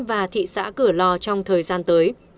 và thị xã cửa lò trong thời gian tới